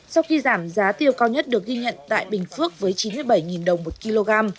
sau khi giảm giá tiêu cao nhất được ghi nhận tại bình phước với chín mươi bảy đồng một kg